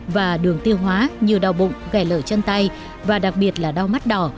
và đường tiêu hóa như đau bụng ghẻ lở chân tay và đặc biệt là đau mắt đỏ